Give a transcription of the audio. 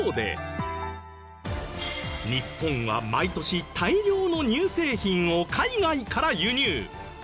日本は毎年大量の乳製品を海外から輸入。